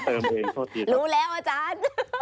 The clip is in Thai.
ผมเติมเลยโทษทีครับ